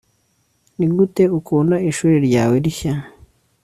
nigute ukunda ishuri ryawe rishya